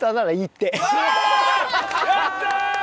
やったー！